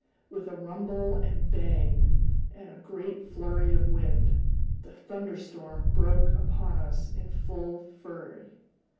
With a rumble and bang, and a great flurry of wind, the thunder storm broke upon us in full fury.